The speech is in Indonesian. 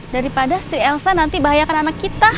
daripada si elsa nanti bahayakan anak kita